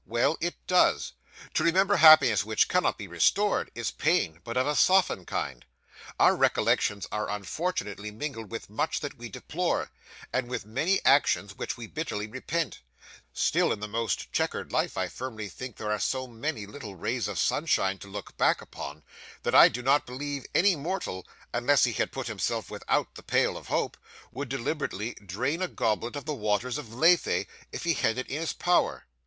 'Well; it does. To remember happiness which cannot be restored, is pain, but of a softened kind. Our recollections are unfortunately mingled with much that we deplore, and with many actions which we bitterly repent; still in the most chequered life I firmly think there are so many little rays of sunshine to look back upon, that I do not believe any mortal (unless he had put himself without the pale of hope) would deliberately drain a goblet of the waters of Lethe, if he had it in his power.